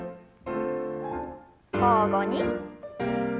交互に。